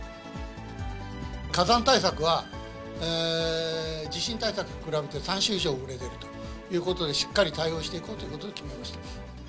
火山対策は、地震対策と比べて３周以上遅れているということで、しっかり対応していこうということで決めました。